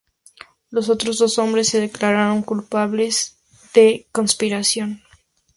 Los otros dos hombres se declararon culpables de conspiración.